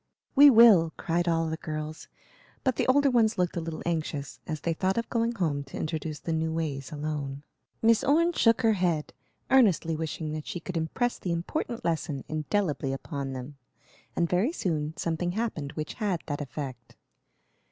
"We will!" cried all the girls; but the older ones looked a little anxious, as they thought of going home to introduce the new ways alone. Miss Orne shook her head, earnestly wishing that she could impress the important lesson indelibly upon them; and very soon something happened which had that effect.